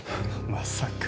まさか。